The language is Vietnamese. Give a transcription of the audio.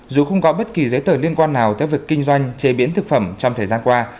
dù không có bất kỳ giấy tờ liên quan nào tới việc kinh doanh chế biến thực phẩm trong thời gian qua